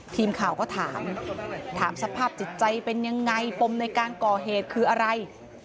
ทีมข่าวก็ถามถามสภาพจิตใจเป็นยังไงปมในการก่อเหตุคืออะไร